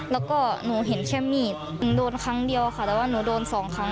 แล้วก็หนูเห็นแค่มีดหนูโดนครั้งเดียวค่ะแต่ว่าหนูโดนสองครั้ง